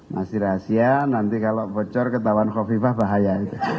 masih rahasia nanti kalau bocor ketahuan kofifa bahaya